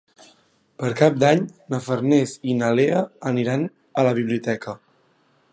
Per Cap d'Any na Farners i na Lea aniran a la biblioteca.